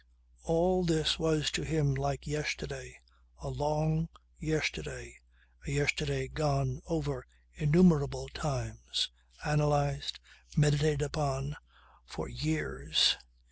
All this was to him like yesterday, a long yesterday, a yesterday gone over innumerable times, analysed, meditated upon for years.